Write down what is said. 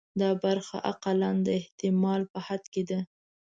دا برخه اقلاً د احتمال په حد کې ده.